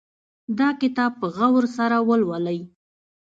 دا کتاب په غور سره ولولئ